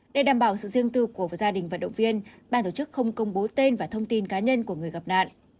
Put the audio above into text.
để đảm bảo sự riêng tư của gia đình vận động viên ban tổ chức không công bố tên và thông tin cá nhân của người gặp nạn